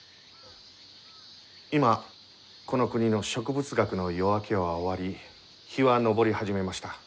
今この国の植物学の夜明けは終わり日は昇り始めました。